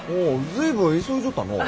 随分急いじょったのう。